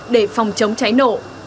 để phòng chống cháy nổ